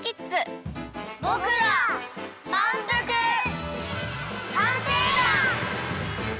ぼくらまんぷく探偵団！